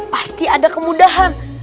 pasti ada kemudahan